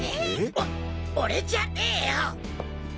お俺じゃねよ！